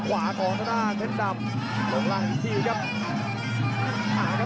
กดมาเช็คดำจะลงล่าง๑ทีครับ